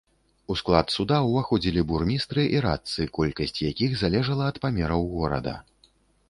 У склад суда ўваходзілі бурмістры і радцы, колькасць якіх залежала ад памераў горада.